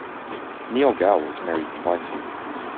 Niel Gow was married twice.